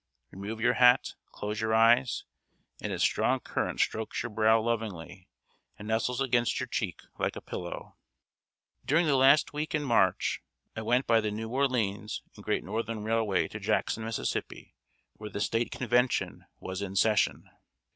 Remove your hat, close your eyes, and its strong current strokes your brow lovingly and nestles against your cheek like a pillow. During the last week in March, I went by the New Orleans and Great Northern Railway to Jackson, Mississippi, where the State Convention was in session.